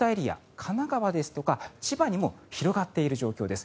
神奈川や千葉にも広がっている状況です。